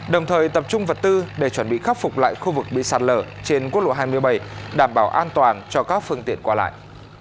đồng thời tập trung vật tư để chuẩn bị khắc phục lại khu vực bị sạt lở trên quốc lộ hai mươi bảy đảm bảo an toàn cho các phương tiện qua lại